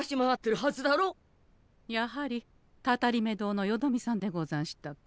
やはりたたりめ堂のよどみさんでござんしたか。